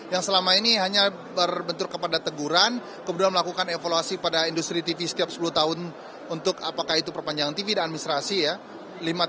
yang selama ini hanya berbentur kepada teguran kemudian melakukan evaluasi pada industri tv setiap sepuluh tahun untuk apakah itu perpanjangan tv dan administrasi ya